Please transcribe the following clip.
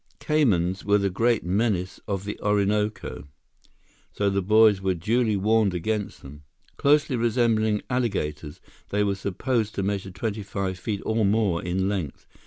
Caymans were the great menace of the Orinoco, so the boys were duly warned against them. Closely resembling alligators, they were supposed to measure twenty five feet or more in length.